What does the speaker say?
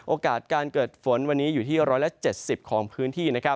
โอกาสการเกิดฝนวันนี้อยู่ที่๑๗๐ของพื้นที่